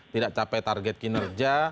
tidak capai target kinerja